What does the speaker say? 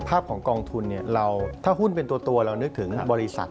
ภาพของกองทุนถ้าหุ้นเป็นตัวเรานึกถึงบริษัท